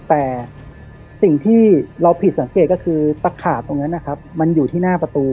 แต่สิ่งที่เราผิดสังเกตก็คือตะขาบตรงนั้นนะครับมันอยู่ที่หน้าประตู